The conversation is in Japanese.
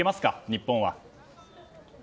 日本は。